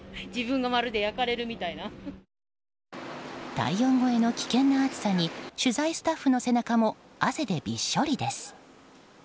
体温超えの危険な暑さに取材スタッフの背中も汗でびっしょりです。